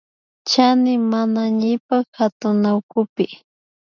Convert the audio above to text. Chani manañipak katunawkupi